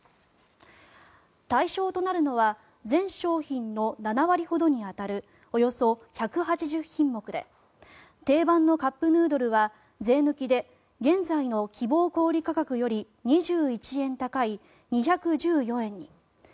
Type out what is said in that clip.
対象となるのは全商品の７割ほどに当たるおよそ１８０品目で定番のカップヌードルは税抜きで現在の希望小売価格より２１円高い２１４円に。